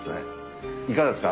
いかがですか？